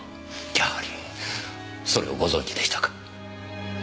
やはりそれをご存じでしたか。